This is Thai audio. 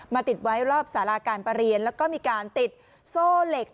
ติดไว้รอบสาราการประเรียนแล้วก็มีการติดโซ่เหล็ก